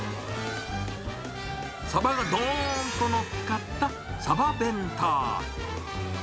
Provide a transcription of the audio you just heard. サバがどーんと乗っかったサバ弁当。